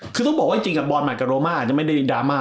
คือต้องบอกว่าบอร์นมัตต์กับโรมาไม่ได้ดราม่า